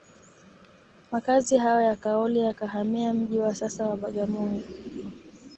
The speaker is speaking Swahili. Makazi hayo ya Kaole yakahamia mji wa sasa wa Bagamoyo